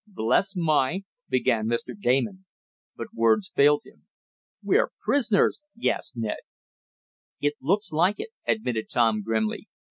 "Bless my " began Mr. Damon, but words failed him. "We're prisoners!" gasped Ned. "It looks like it," admitted Tom grimly.